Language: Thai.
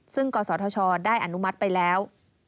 ซึ่งกศธชได้อนุมัติไปแล้ว